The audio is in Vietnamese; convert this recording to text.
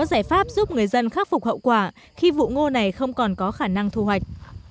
giải pháp giúp người dân khắc phục hậu quả khi vụ ngô này không còn có khả năng thu hoạch